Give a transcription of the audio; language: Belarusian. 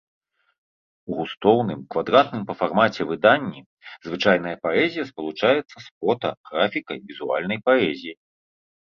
У густоўным, квадратным па фармаце выданні звычайная паэзія спалучаецца з фота, графікай, візуальнай паэзіяй.